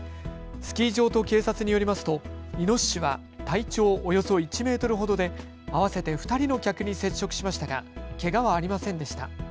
スキー場と警察によりますとイノシシは体長およそ１メートルほどで合わせて２人の客に接触しましたがけがはありませんでした。